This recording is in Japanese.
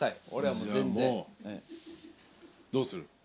どうする？